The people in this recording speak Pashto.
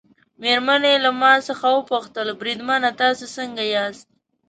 مېرمنې یې له ما څخه وپوښتل: بریدمنه تاسي څنګه یاست؟